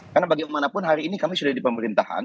karena bagaimanapun hari ini kami sudah di pemerintahan